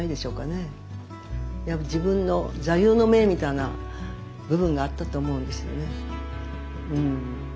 自分の座右の銘みたいな部分があったと思うんですよね。